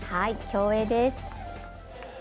競泳です。